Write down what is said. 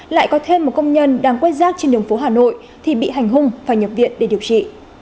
lại có thêm một công nhân đang quét rác trên đường phố hà nội thì bị hành hung phải nhập viện để điều trị